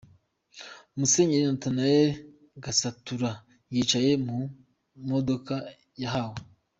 Musenyeri Nathan Gasatura yicaye mu mudoka yahawe.